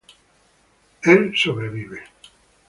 Él sobrevive.